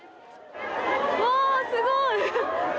わすごい！